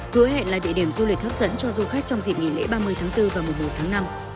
hứa hẹn là địa điểm du lịch hấp dẫn cho du khách trong dịp nghỉ lễ ba mươi tháng bốn và mùa một tháng năm